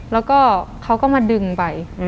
แล้วก็เขาก็มาดึงไป